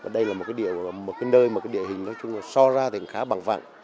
đây là một cái nơi mà cái địa hình nói chung là so ra thành khá bằng vặn